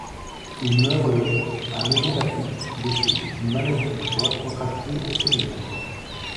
Il meurt le à Maisons-Laffitte, des suites d'une maladie du foie contractée au Sénégal.